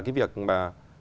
cái việc mà